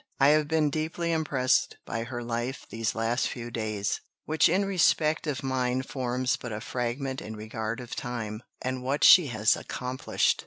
I have been deeply impressed by her life these last few days, which in respect of mine forms but a fragment in regard of time, and what she has accomplished!